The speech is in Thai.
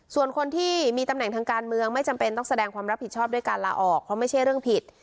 ส่วนคนที่มีตำแหน่งทางการเมืองไม่จำเป็นต้องแสดงความรับผิดชอบด้วยการลาออกเพราะไม่ใช่เรื่องผิด